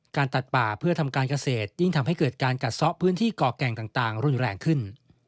ตัดป่าเพื่อทำการเกษตรยิ่งทำให้เกิดการกัดซ้อพื้นที่ก่อแก่งต่างรุนแรงขึ้น